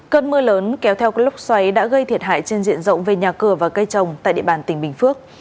cơn mưa lớn kéo theo lốc xoáy đã gây thiệt hại trên diện rộng về nhà cửa và cây trồng tại địa bàn tỉnh bình phước